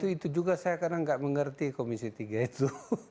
itu juga saya karena nggak mengerti komisi tiga itu